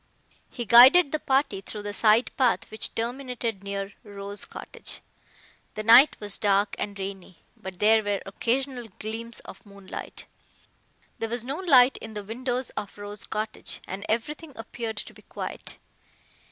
He guided the party through the side path which terminated near Rose Cottage. The night was dark and rainy, but there were occasional gleams of moonlight. There was no light in the windows of Rose Cottage, and everything appeared to be quiet.